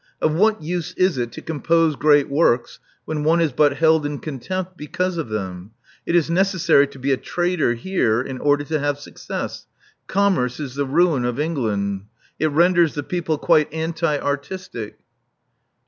Of what use is it to compose great works when one is but held in contempt because of them? It is necessary to be a trader here in order to have success. Commerce is the ruin of England. It renders the people quite anti artistic."